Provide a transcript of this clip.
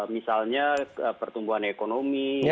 misalnya pertumbuhan ekonomi